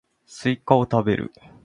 スイカを食べる